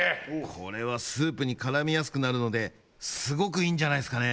これはスープにからみやすくなるのですごくいいんじゃないっすかね